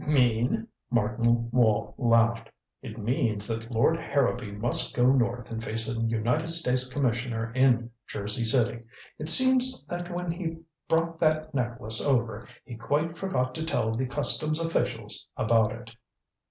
"Mean?" Martin Wall laughed. "It means that Lord Harrowby must go north and face a United States Commissioner in Jersey City. It seems that when he brought that necklace over he quite forgot to tell the customs officials about it."